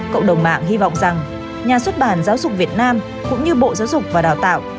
cộng đồng mạng hy vọng rằng nhà xuất bản giáo dục việt nam cũng như bộ giáo dục và đào tạo